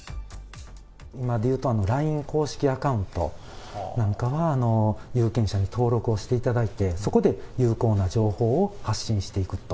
今でいうと、ＬＩＮＥ公式アカウントなんかは、有権者に登録をしていただいて、そこで有効な情報を発信していくと。